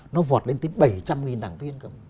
nó vọt lên tới bảy trăm linh đảng viên